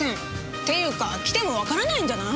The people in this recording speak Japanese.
っていうか来てもわからないんじゃない？